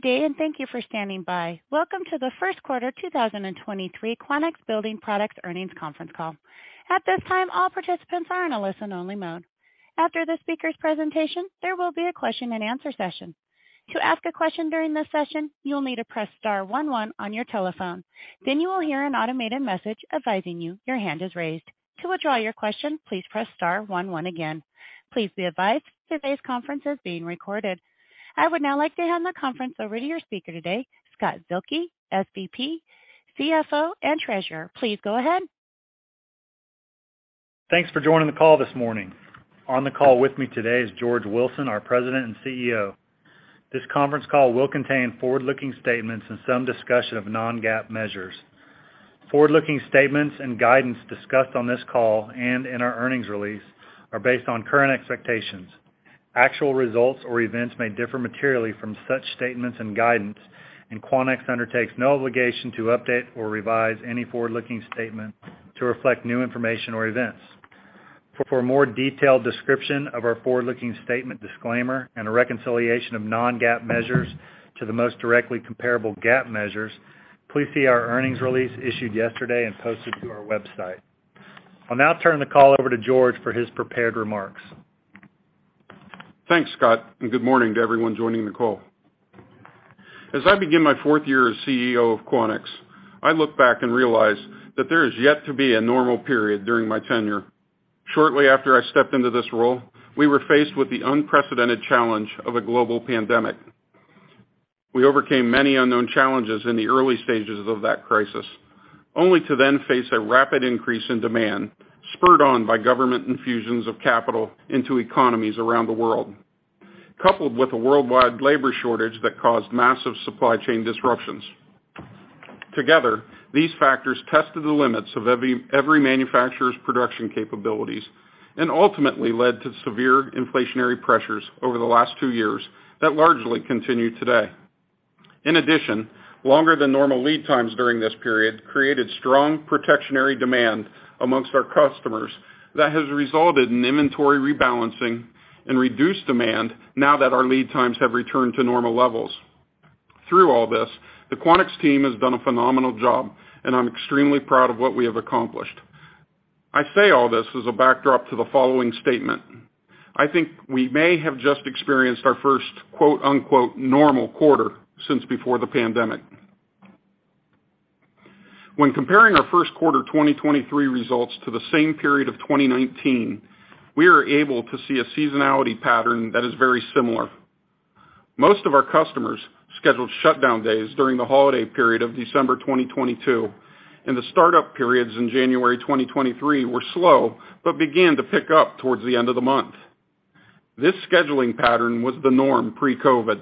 Good day, and thank you for standing by. Welcome to the first quarter 2023 Quanex Building Products Earnings Conference Call. At this time, all participants are in a listen only mode. After the speaker's presentation, there will be a question-and-answer session. To ask a question during this session, you'll need to press star one one on your telephone. You will hear an automated message advising you your hand is raised. To withdraw your question, please press star one one again. Please be advised today's conference is being recorded. I would now like to hand the conference over to your speaker today, Scott Zuehlke, SVP, CFO, and Treasurer. Please go ahead. Thanks for joining the call this morning. On the call with me today is George Wilson, our President and CEO. This conference call will contain forward-looking statements and some discussion of non-GAAP measures. Forward-looking statements and guidance discussed on this call and in our earnings release are based on current expectations. Actual results or events may differ materially from such statements and guidance, and Quanex undertakes no obligation to update or revise any forward-looking statement to reflect new information or events. For a more detailed description of our forward-looking statement disclaimer and a reconciliation of non-GAAP measures to the most directly comparable GAAP measures, please see our earnings release issued yesterday and posted to our website. I'll now turn the call over to George for his prepared remarks. Good morning to everyone joining the call. As I begin my fourth year as CEO of Quanex, I look back and realize that there is yet to be a normal period during my tenure. Shortly after I stepped into this role, we were faced with the unprecedented challenge of a global pandemic. We overcame many unknown challenges in the early stages of that crisis, only to then face a rapid increase in demand spurred on by government infusions of capital into economies around the world, coupled with a worldwide labor shortage that caused massive supply chain disruptions. Together, these factors tested the limits of every manufacturer's production capabilities and ultimately led to severe inflationary pressures over the last two years that largely continue today. In addition, longer than normal lead times during this period created strong protectionary demand amongst our customers that has resulted in inventory rebalancing and reduced demand now that our lead times have returned to normal levels. Through all this, the Quanex team has done a phenomenal job, and I'm extremely proud of what we have accomplished. I say all this as a backdrop to the following statement. I think we may have just experienced our first quote-unquote normal quarter since before the pandemic. When comparing our first quarter 2023 results to the same period of 2019, we are able to see a seasonality pattern that is very similar. Most of our customers scheduled shutdown days during the holiday period of December 2022, and the startup periods in January 2023 were slow but began to pick up towards the end of the month. This scheduling pattern was the norm pre-COVID,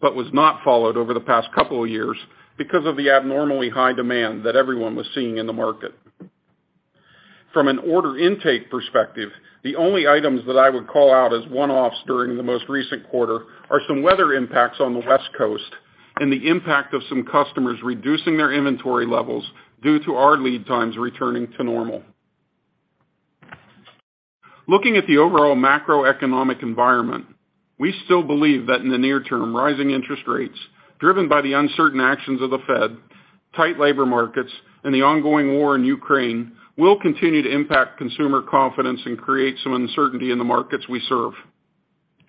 but was not followed over the past couple of years because of the abnormally high demand that everyone was seeing in the market. From an order intake perspective, the only items that I would call out as one-offs during the most recent quarter are some weather impacts on the West Coast and the impact of some customers reducing their inventory levels due to our lead times returning to normal. Looking at the overall macroeconomic environment, we still believe that in the near term, rising interest rates driven by the uncertain actions of the Fed, tight labor markets, and the ongoing war in Ukraine will continue to impact consumer confidence and create some uncertainty in the markets we serve.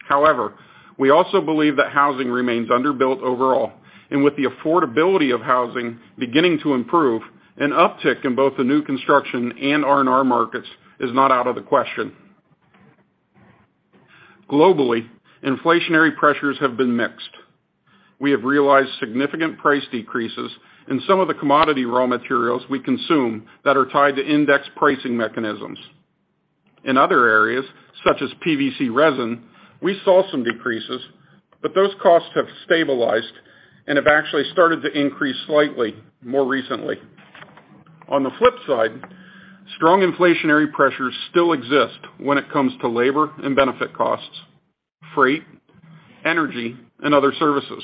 However, we also believe that housing remains underbuilt overall, and with the affordability of housing beginning to improve, an uptick in both the new construction and R&R markets is not out of the question. Globally, inflationary pressures have been mixed. We have realized significant price decreases in some of the commodity raw materials we consume that are tied to index pricing mechanisms. In other areas, such as PVC resin, we saw some decreases, but those costs have stabilized and have actually started to increase slightly more recently. On the flip side, strong inflationary pressures still exist when it comes to labor and benefit costs, freight, energy, and other services.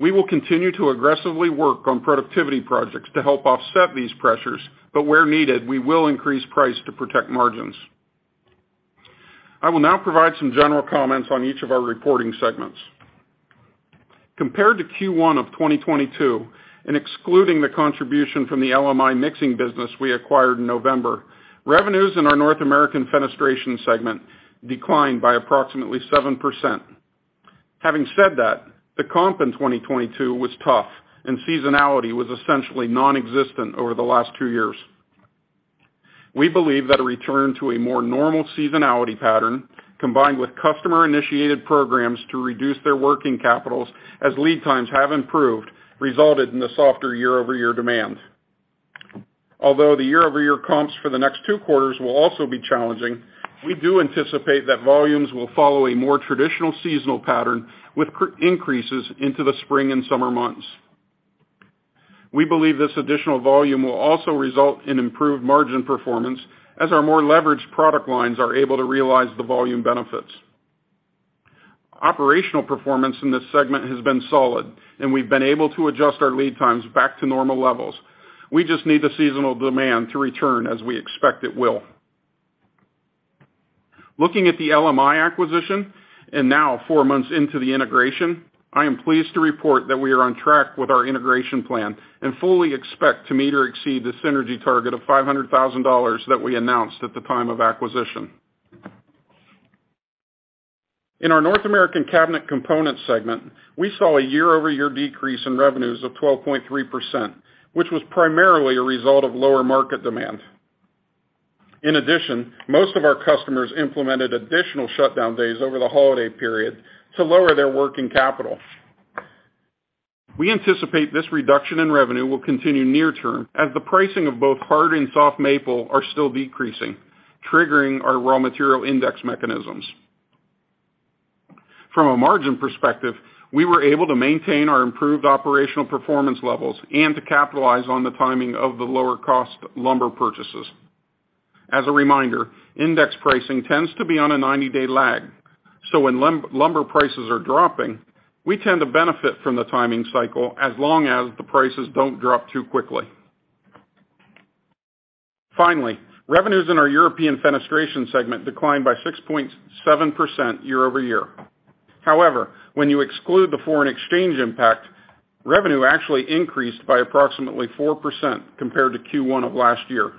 We will continue to aggressively work on productivity projects to help offset these pressures, but where needed, we will increase price to protect margins. I will now provide some general comments on each of our reporting segments. Compared to Q1 of 2022 and excluding the contribution from the LMI mixing business we acquired in November, revenues in our North American Fenestration segment declined by approximately 7%. Having said that, the comp in 2022 was tough and seasonality was essentially nonexistent over the last two years. We believe that a return to a more normal seasonality pattern, combined with customer-initiated programs to reduce their working capitals as lead times have improved, resulted in the softer year-over-year demand. Although the year-over-year comps for the next two quarters will also be challenging, we do anticipate that volumes will follow a more traditional seasonal pattern with increases into the spring and summer months. We believe this additional volume will also result in improved margin performance as our more leveraged product lines are able to realize the volume benefits. Operational performance in this segment has been solid, and we've been able to adjust our lead times back to normal levels. We just need the seasonal demand to return as we expect it will. Looking at the LMI acquisition and now four months into the integration, I am pleased to report that we are on track with our integration plan and fully expect to meet or exceed the synergy target of $500,000 that we announced at the time of acquisition. In our North American Cabinet Components segment, we saw a year-over-year decrease in revenues of 12.3%, which was primarily a result of lower market demand. In addition, most of our customers implemented additional shutdown days over the holiday period to lower their working capital. We anticipate this reduction in revenue will continue near term as the pricing of both hard and soft maple are still decreasing, triggering our raw material index mechanisms. From a margin perspective, we were able to maintain our improved operational performance levels and to capitalize on the timing of the lower cost lumber purchases. As a reminder, index pricing tends to be on a 90-day lag, so when lumber prices are dropping, we tend to benefit from the timing cycle as long as the prices don't drop too quickly. Finally, revenues in our European Fenestration segment declined by 6.7% year-over-year. However, when you exclude the foreign exchange impact, revenue actually increased by approximately 4% compared to Q1 of last year.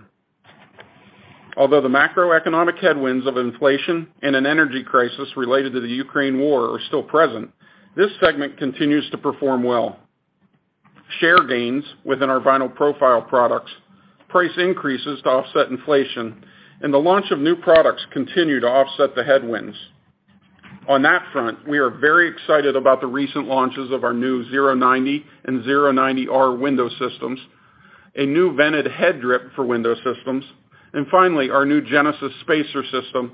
Although the macroeconomic headwinds of inflation and an energy crisis related to the Ukraine War are still present, this segment continues to perform well. Share gains within our vinyl profile products, price increases to offset inflation, and the launch of new products continue to offset the headwinds. On that front, we are very excited about the recent launches of our new 090 and 090R window systems, a new vented head drip for window systems, and finally, our new Genesis Spacer system,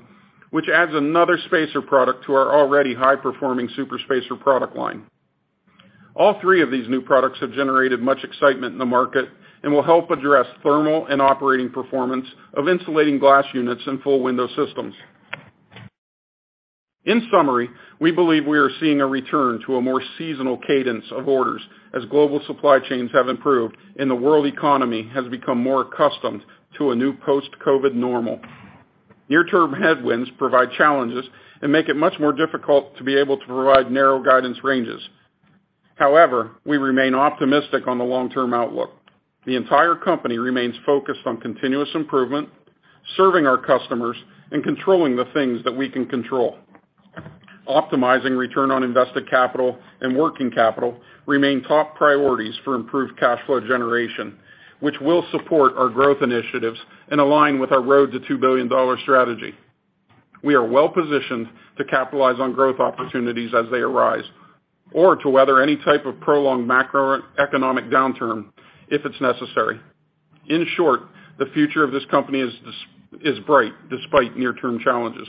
which adds another spacer product to our already high-performing Super Spacer product line. All three of these new products have generated much excitement in the market and will help address thermal and operating performance of insulating glass units and full window systems. In summary, we believe we are seeing a return to a more seasonal cadence of orders as global supply chains have improved and the world economy has become more accustomed to a new post-COVID normal. Near-term headwinds provide challenges and make it much more difficult to be able to provide nearer guidance changes. However, we remain optimistic on the long-term outlook. The entire company remains focused on continuous improvement, serving our customers, and controlling the things that we can control. Optimizing return on invested capital and working capital remain top priorities for improved cash flow generation, which will support our growth initiatives and align with our road to $2 billion strategy. We are well-positioned to capitalize on growth opportunities as they arise or to weather any type of prolonged macroeconomic downturn if it's necessary. In short, the future of this company is bright despite near-term challenges.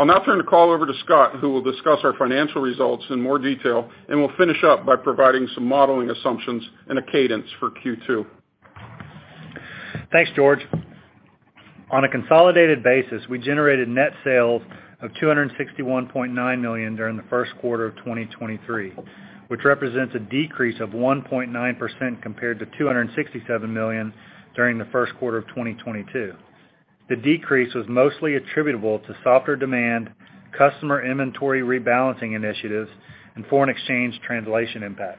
I'll now turn the call over to Scott, who will discuss our financial results in more detail, and we'll finish up by providing some modeling assumptions and a cadence for Q2. Thanks, George. On a consolidated basis, we generated net sales of $261.9 million during the first quarter of 2023, which represents a decrease of 1.9% compared to $267 million during the first quarter of 2022. The decrease was mostly attributable to softer demand, customer inventory rebalancing initiatives, and foreign exchange translation impact.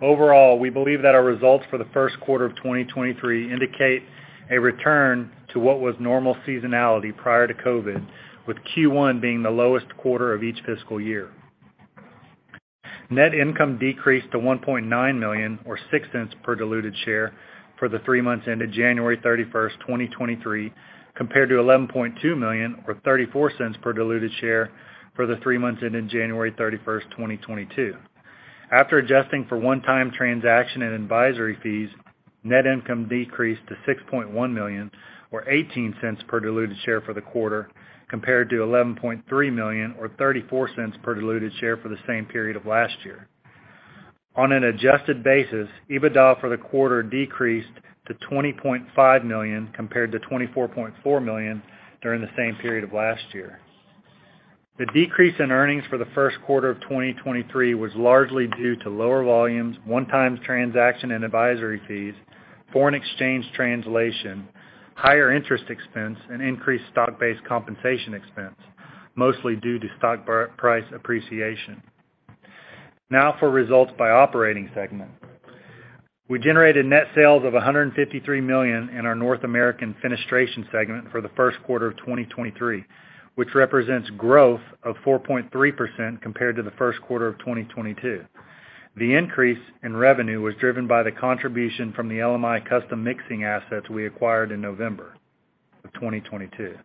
Overall, we believe that our results for the first quarter of 2023 indicate a return to what was normal seasonality prior to COVID, with Q1 being the lowest quarter of each fiscal year. Net income decreased to $1.9 million or $0.06 per diluted share for the three months ended January 31st, 2023, compared to $11.2 million or $0.34 per diluted share for the three months ended January 31st, 2022. After adjusting for one-time transaction and advisory fees, net income decreased to $6.1 million or $0.18 per diluted share for the quarter, compared to $11.3 million or $0.34 per diluted share for the same period of last year. On an adjusted basis, EBITDA for the quarter decreased to $20.5 million compared to $24.4 million during the same period of last year. The decrease in earnings for the first quarter of 2023 was largely due to lower volumes, one-time transaction and advisory fees, foreign exchange translation, higher interest expense, and increased stock-based compensation expense, mostly due to stock price appreciation. For results by operating segment, we generated net sales of $153 million in our North American Fenestration segment for the first quarter of 2023, which represents growth of 4.3% compared to the first quarter of 2022. The increase in revenue was driven by the contribution from the LMI Custom Mixing assets we acquired in November of 2022.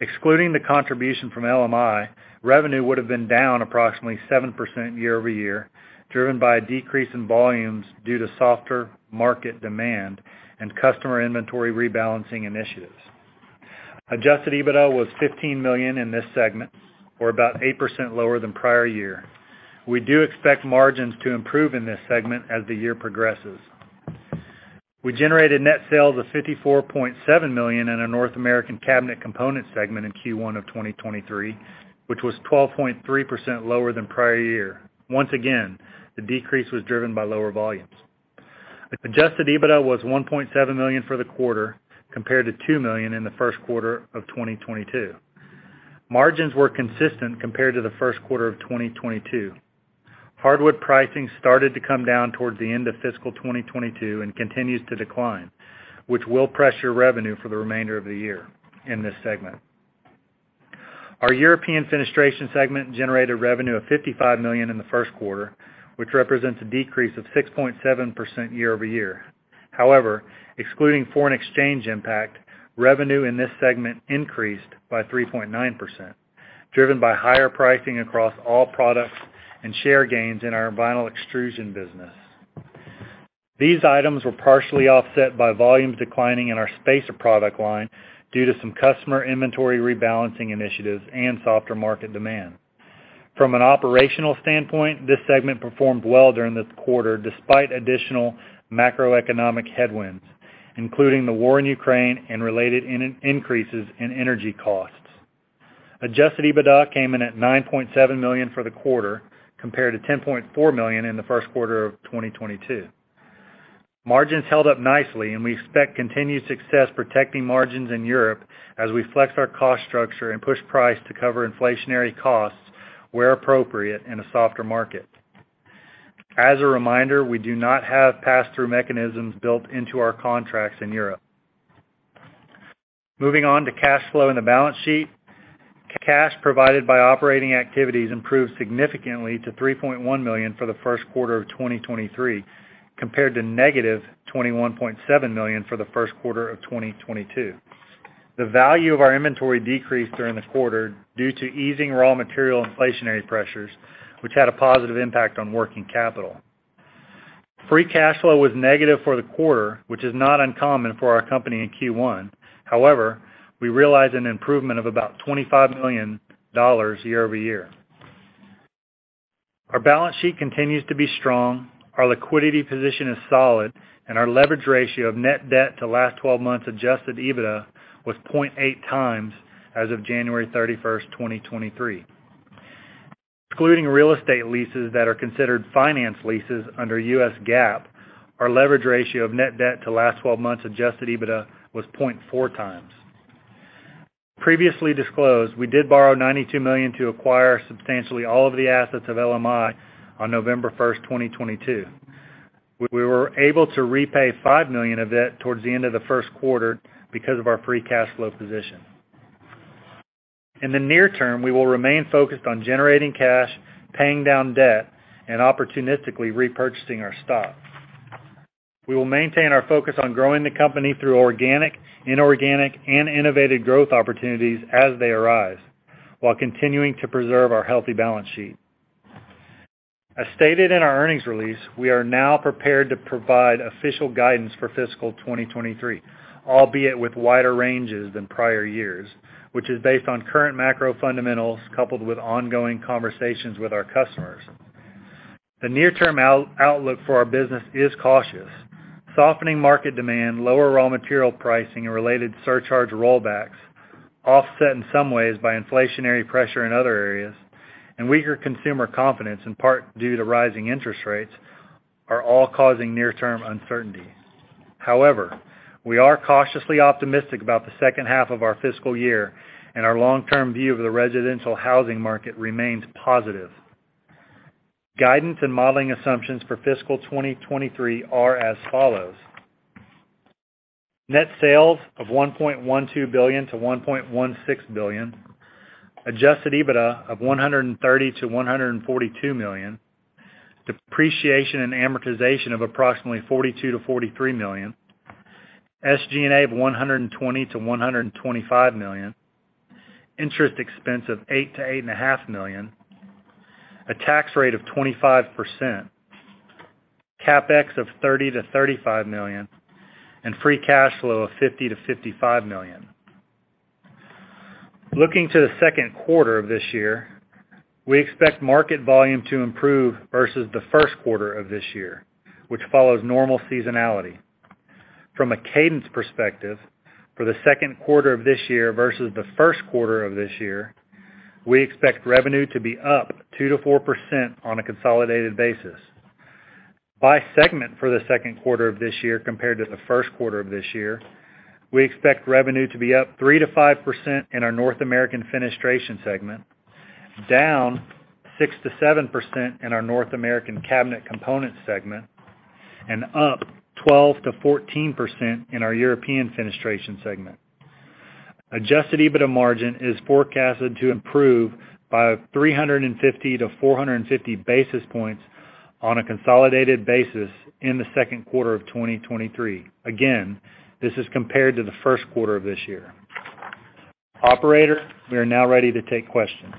Excluding the contribution from LMI, revenue would have been down approximately 7% year-over-year, driven by a decrease in volumes due to softer market demand and customer inventory rebalancing initiatives. Adjusted EBITDA was $15 million in this segment, or about 8% lower than prior year. We do expect margins to improve in this segment as the year progresses. We generated net sales of $54.7 million in our North American Cabinet Components segment in Q1 of 2023, which was 12.3% lower than prior year. Once again, the decrease was driven by lower volumes. Adjusted EBITDA was $1.7 million for the quarter compared to $2 million in the first quarter of 2022. Margins were consistent compared to the first quarter of 2022. Hardwood pricing started to come down towards the end of fiscal 2022 and continues to decline, which will pressure revenue for the remainder of the year in this segment. Our European Fenestration segment generated revenue of $55 million in the first quarter, which represents a decrease of 6.7% year-over-year. However, excluding foreign exchange impact, revenue in this segment increased by 3.9%, driven by higher pricing across all products and share gains in our vinyl extrusion business. These items were partially offset by volumes declining in our spacer product line due to some customer inventory rebalancing initiatives and softer market demand. From an operational standpoint, this segment performed well during this quarter despite additional macroeconomic headwinds, including the war in Ukraine and related increases in energy costs. Adjusted EBITDA came in at $9.7 million for the quarter compared to $10.4 million in the first quarter of 2022. Margins held up nicely, we expect continued success protecting margins in Europe as we flex our cost structure and push price to cover inflationary costs where appropriate in a softer market. As a reminder, we do not have pass-through mechanisms built into our contracts in Europe. Moving on to cash flow and the balance sheet. Cash provided by operating activities improved significantly to $3.1 million for the first quarter of 2023 compared to negative $21.7 million for the first quarter of 2022. The value of our inventory decreased during the quarter due to easing raw material inflationary pressures, which had a positive impact on working capital. Free cash flow was negative for the quarter, which is not uncommon for our company in Q1. However, we realized an improvement of about $25 million year-over-year. Our balance sheet continues to be strong. Our liquidity position is solid and our leverage ratio of net debt to last 12 months adjusted EBITDA was 0.8x as of January 31st, 2023. Excluding real estate leases that are considered finance leases under U.S. GAAP, our leverage ratio of net debt to last 12 months adjusted EBITDA was 0.4x. Previously disclosed, we did borrow $92 million to acquire substantially all of the assets of LMI on November 1st, 2022. We were able to repay $5 million of it towards the end of the first quarter because of our free cash flow position. In the near term, we will remain focused on generating cash, paying down debt, and opportunistically repurchasing our stock. We will maintain our focus on growing the company through organic, inorganic, and innovative growth opportunities as they arise, while continuing to preserve our healthy balance sheet. As stated in our earnings release, we are now prepared to provide official guidance for fiscal 2023, albeit with wider ranges than prior years, which is based on current macro fundamentals coupled with ongoing conversations with our customers. The near-term outlook for our business is cautious. Softening market demand, lower raw material pricing and related surcharge rollbacks offset in some ways by inflationary pressure in other areas and weaker consumer confidence, in part due to rising interest rates, are all causing near-term uncertainty. However, we are cautiously optimistic about the second half of our fiscal year and our long-term view of the residential housing market remains positive. Guidance and modeling assumptions for fiscal 2023 are as follows. Net sales of $1.12 billion-$1.16 billion, adjusted EBITDA of $130 million-$142 million, depreciation and amortization of approximately $42 million-$43 million, SG&A of $120 million-$125 million, interest expense of $8 million-$8.5 million, a tax rate of 25%, CapEx of $30 million-$35 million, and free cash flow of $50 million-$55 million. Looking to the second quarter of this year, we expect market volume to improve versus the first quarter of this year, which follows normal seasonality. From a cadence perspective, for the second quarter of this year versus the first quarter of this year, we expect revenue to be up 2%-4% on a consolidated basis. By segment for the second quarter of this year compared to the first quarter of this year, we expect revenue to be up 3%-5% in our North American Fenestration segment, down 6%-7% in our North American Cabinet Components segment, and up 12%-14% in our European Fenestration segment. Adjusted EBITDA margin is forecasted to improve by 350 basis points-450 basis points on a consolidated basis in the second quarter of 2023. Again, this is compared to the first quarter of this year. Operator, we are now ready to take questions.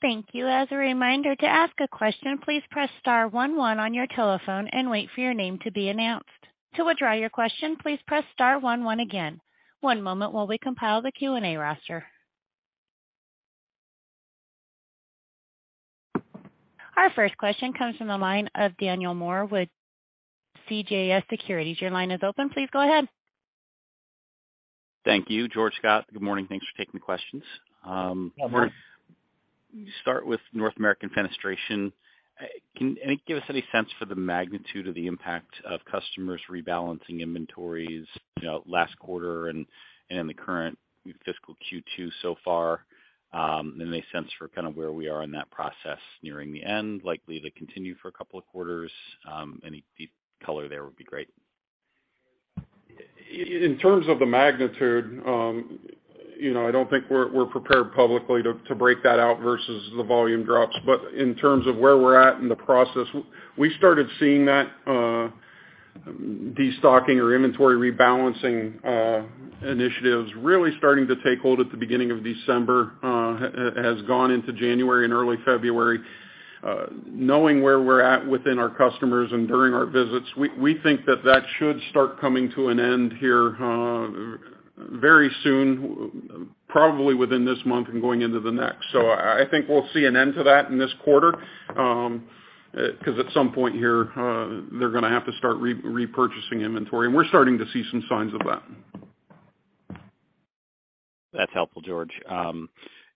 Thank you. As a reminder, to ask a question, please press star one one on your telephone and wait for your name to be announced. To withdraw your question, please press star one one again. One moment while we compile the Q&A roster. Our first question comes from the line of Daniel Moore with CJS Securities. Your line is open. Please go ahead. Thank you, George, Scott. Good morning. Thanks for taking the questions. Good morning. Start with North American Fenestration. Give us any sense for the magnitude of the impact of customers rebalancing inventories, you know, last quarter and in the current fiscal Q2 so far, and any sense for kind of where we are in that process nearing the end, likely to continue for a couple of quarters? Any deep color there would be great. In terms of the magnitude, you know, I don't think we're prepared publicly to break that out versus the volume drops. In terms of where we're at in the process, we started seeing that destocking or inventory rebalancing initiatives really starting to take hold at the beginning of December, has gone into January and early February. Knowing where we're at within our customers and during our visits, we think that that should start coming to an end here, very soon, probably within this month and going into the next. I think we'll see an end to that in this quarter, because at some point here, they're gonna have to start repurchasing inventory. We're starting to see some signs of that. That's helpful, George.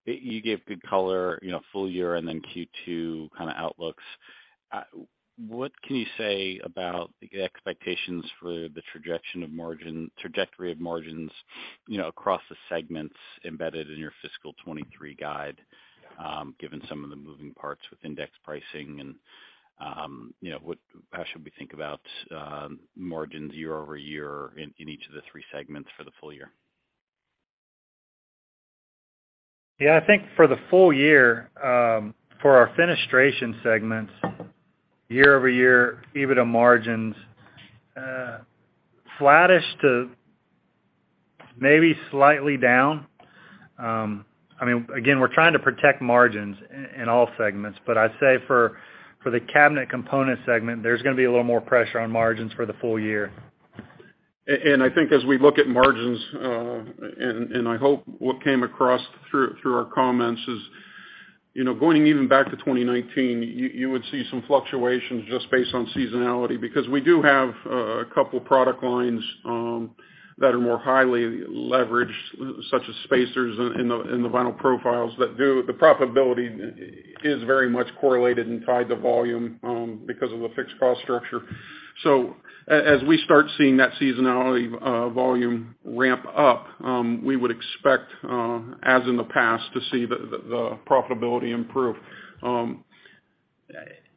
You gave good color, you know, full year and then Q2 kind of outlooks. What can you say about the expectations for the trajectory of margins, you know, across the segments embedded in your fiscal 2023 guide, given some of the moving parts with index pricing, and, you know, how should we think about margins year-over-year in each of the three segments for the full year? Yeah, I think for the full year, for our fenestration segments, year-over-year EBITDA margins, flattish to maybe slightly down. I mean, again, we're trying to protect margins in all segments, but I'd say for the cabinet component segment, there's gonna be a little more pressure on margins for the full year. I think as we look at margins, and I hope what came across through our comments is, you know, going even back to 2019, you would see some fluctuations just based on seasonality, because we do have a couple product lines that are more highly leveraged, such as spacers in the vinyl profiles that the profitability is very much correlated and tied to volume because of the fixed cost structure. As we start seeing that seasonality, volume ramp up, we would expect, as in the past, to see the profitability improve.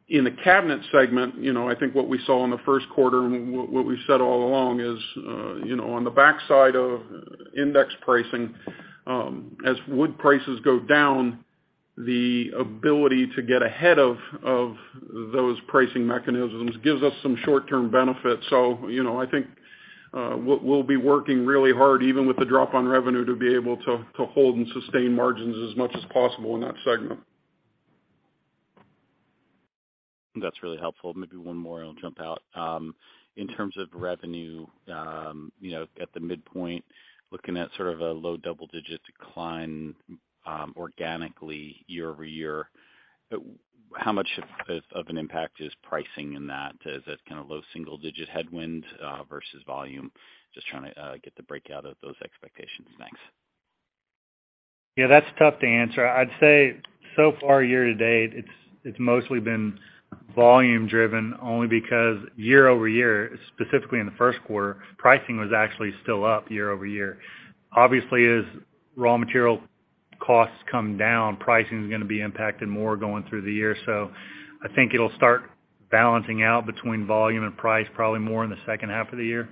In the Cabinet segment, you know, I think what we saw in the first quarter and what we've said all along is, you know, on the backside of index pricing, as wood prices go down, the ability to get ahead of those pricing mechanisms gives us some short-term benefits. You know, I think, we'll be working really hard, even with the drop on revenue, to be able to hold and sustain margins as much as possible in that segment. That's really helpful. Maybe one more and I'll jump out. In terms of revenue, you know, at the midpoint, looking at sort of a low double-digit decline organically year-over-year. How much of an impact is pricing in that? Is that kind of low single-digit headwind versus volume? Just trying to get the breakout of those expectations. Thanks. Yeah, that's tough to answer. I'd say so far year-to-date, it's mostly been volume driven only because year-over-year, specifically in the first quarter, pricing was actually still up year-over-year. Obviously, as raw material costs come down, pricing is gonna be impacted more going through the year. I think it'll start balancing out between volume and price probably more in the second half of the year.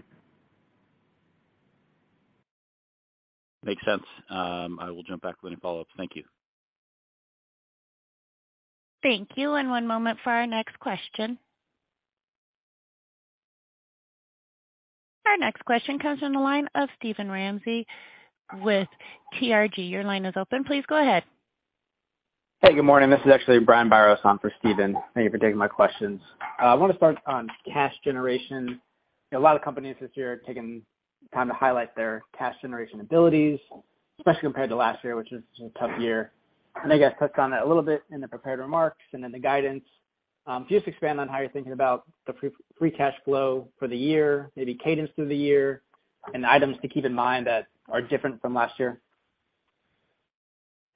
Makes sense. I will jump back with any follow-up. Thank you. Thank you. One moment for our next question. Our next question comes from the line of Steven Ramsey with TRG. Your line is open. Please go ahead. Hey, good morning. This is actually Brian Biros on for Steven. Thank you for taking my questions. I wanna start on cash generation. A lot of companies this year are taking time to highlight their cash generation abilities, especially compared to last year, which was a tough year. I know you guys touched on it a little bit in the prepared remarks and in the guidance. Just expand on how you're thinking about the free cash flow for the year, maybe cadence through the year, and items to keep in mind that are different from last year.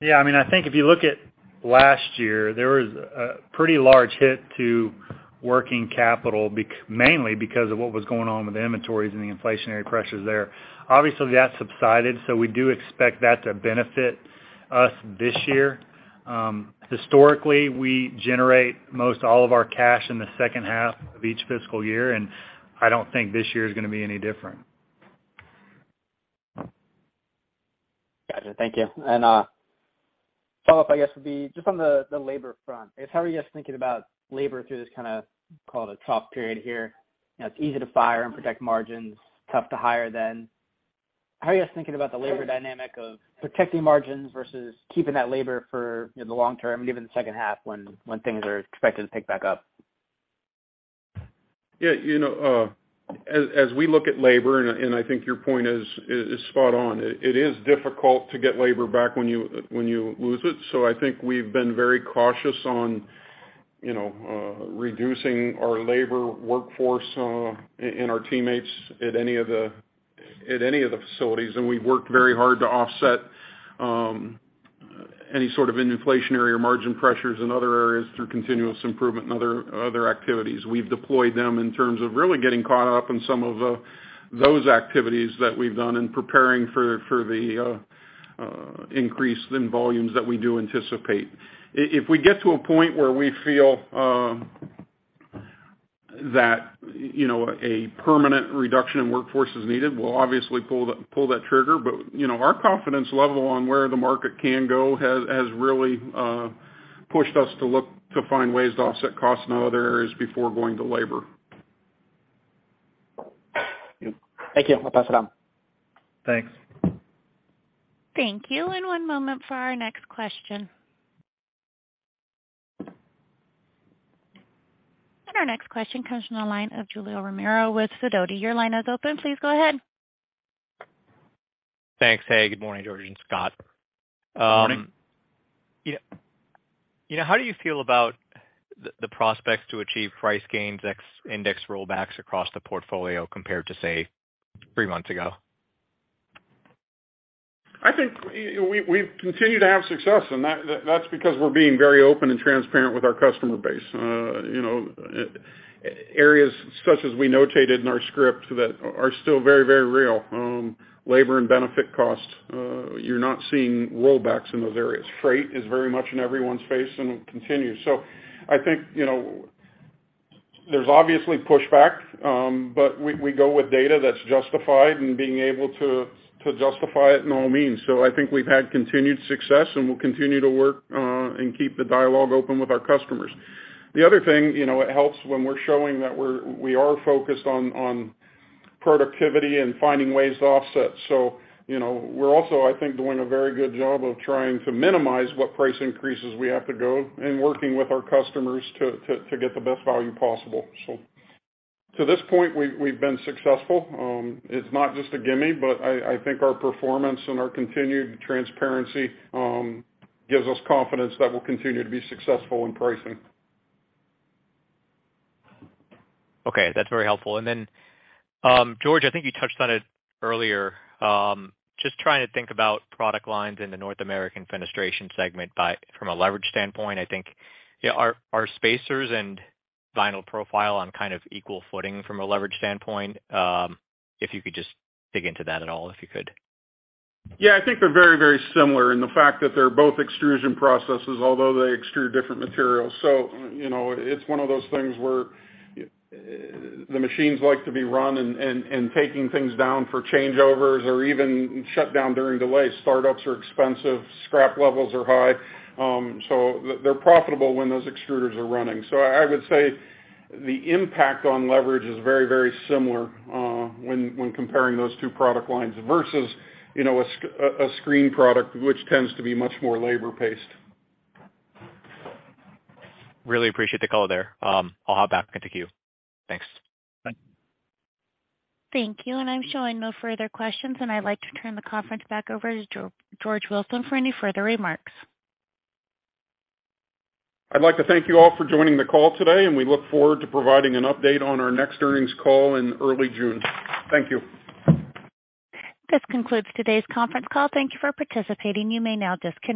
I think if you look at last year, there was a pretty large hit to working capital mainly because of what was going on with inventories and the inflationary pressures there. Obviously, that subsided, we do expect that to benefit us this year. Historically, we generate most all of our cash in the second half of each fiscal year, I don't think this year is gonna be any different. Gotcha. Thank you. Follow-up, I guess, would be just on the labor front. I guess, how are you guys thinking about labor through this, kinda, call it a trough period here? You know, it's easy to fire and protect margins, tough to hire then. How are you guys thinking about the labor dynamic of protecting margins versus keeping that labor for, you know, the long term, even the second half when things are expected to pick back up? Yeah, you know, as we look at labor, and I think your point is spot on, it is difficult to get labor back when you lose it. I think we've been very cautious on, you know, reducing our labor workforce, and our teammates at any of the facilities. We've worked very hard to offset any sort of inflationary or margin pressures in other areas through continuous improvement in other activities. We've deployed them in terms of really getting caught up on some of those activities that we've done in preparing for the increase in volumes that we do anticipate. If we get to a point where we feel that, you know, a permanent reduction in workforce is needed, we'll obviously pull that trigger. You know, our confidence level on where the market can go has really pushed us to look to find ways to offset costs in other areas before going to labor. Thank you. I'll pass it on. Thanks. Thank you. One moment for our next question. Our next question comes from the line of Julio Romero with Sidoti. Your line is open. Please go ahead. Thanks. Hey, good morning, George and Scott. Good morning. Yeah. You know, how do you feel about the prospects to achieve price gains ex index rollbacks across the portfolio compared to, say, three months ago? I think we've continued to have success, and that's because we're being very open and transparent with our customer base. You know, areas such as we notated in our script that are still very, very real. Labor and benefit costs, you're not seeing rollbacks in those areas. Freight is very much in everyone's face, and it continues. I think, you know, there's obviously pushback, but we go with data that's justified and being able to justify it in all means. I think we've had continued success, and we'll continue to work and keep the dialogue open with our customers. The other thing, you know, it helps when we're showing that we are focused on productivity and finding ways to offset. You know, we're also, I think, doing a very good job of trying to minimize what price increases we have to go and working with our customers to get the best value possible. To this point, we've been successful. It's not just a gimme, but I think our performance and our continued transparency gives us confidence that we'll continue to be successful in pricing. Okay, that's very helpful. Then, George, I think you touched on it earlier. Just trying to think about product lines in the North American Fenestration segment from a leverage standpoint, I think. Are spacers and vinyl profile on kind of equal footing from a leverage standpoint? If you could just dig into that at all, if you could. Yeah, I think they're very, very similar in the fact that they're both extrusion processes, although they extrude different materials. You know, it's one of those things where the machines like to be run and taking things down for changeovers or even shut down during delays. Startups are expensive, scrap levels are high. They're profitable when those extruders are running. I would say the impact on leverage is very, very similar when comparing those two product lines versus, you know, a screen product, which tends to be much more labor-paced. Really appreciate the color there. I'll hop back into queue. Thanks. Bye. Thank you. I'm showing no further questions, and I'd like to turn the conference back over to George Wilson for any further remarks. I'd like to thank you all for joining the call today. We look forward to providing an update on our next earnings call in early June. Thank you. This concludes today's conference call. Thank you for participating. You may now disconnect.